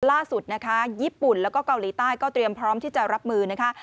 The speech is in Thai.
ล่าสุดนะคะญี่ปุ่นแล้วก็เกาหลีใต้ก็เตรียมพร้อมที่จะรับมือนะคะ